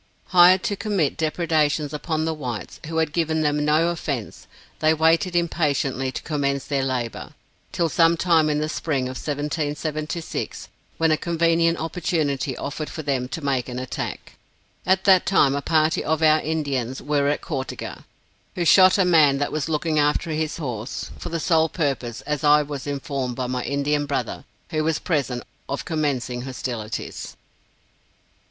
Hired to commit depredations upon the whites, who had given them no offence, they waited impatiently to commence their labor, till sometime in the spring of 1776, when a convenient opportunity offered for them to make an attack. At that time, a party of our Indians were at Cau te ga, who shot a man that was looking after his horse, for the sole purpose, as I was informed by my Indian brother, who was present, of commencing hostilities.